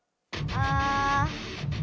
ああ。